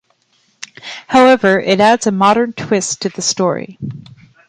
However, it adds a modern twist to the story.